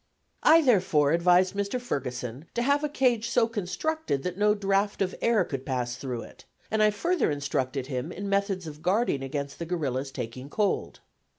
I therefore advised Mr. Ferguson to have a cage so constructed that no draught of air could pass through it, and I further instructed him in methods of guarding against the gorilla's taking cold.